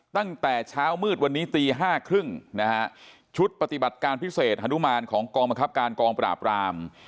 ตั้งแต่เช้ามืดวันนี้ตี๕๓๐นะฮะชุดปฏิบัติการพิเศษฮานุมานของกองบังคับการกองปราบราม